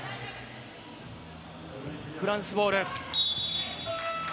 フランスボール。